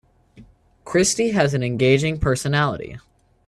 Christy has an engaging personality.